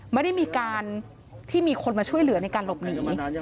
ไม่ได้มีการที่มีคนมาช่วยเหลือในการหลบหนี